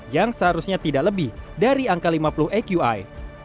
yang seharusnya tidak lebih dari angka lima puluh aqi